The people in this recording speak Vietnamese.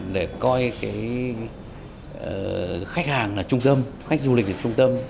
để coi cái khách hàng là trung tâm khách du lịch là trung tâm